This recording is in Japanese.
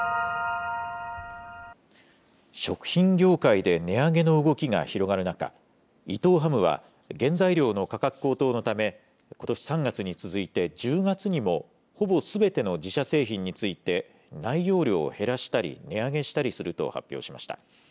食品業界で値上げの動きが広がる中、伊藤ハムは、原材料の価格高騰のため、ことし３月に続いて１０月にもほぼすべての自社製品について、内容量を減らしたり、値上げしたりすると発表しました。